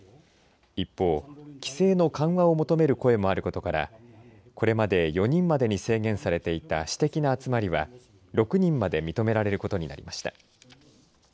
一方、規制の緩和を求める声もあることからこれまで４人までに制限されていた私的な集まりは６人まで認められることになりました。